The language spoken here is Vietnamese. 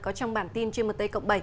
có trong bản tin gmt cộng bảy